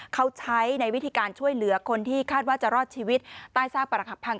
เขาใช้ในวิธีการช่วยเหลือคนที่คาดว่าจะรอดชีวิตใต้ซากปรหักพัง